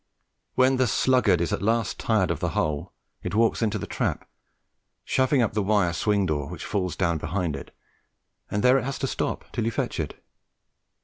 When the sluggard is at last tired of the hole, it walks into the trap, shoving up the wire swing door, which falls down behind it, and there it has to stop till you fetch it.